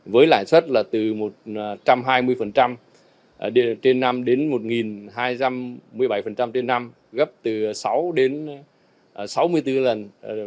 với lãi suất là từ một trăm hai mươi trên năm đến một hai trăm một mươi bảy trên năm gấp từ sáu đến sáu mươi bốn lần